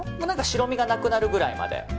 白身がなくなるくらいまで。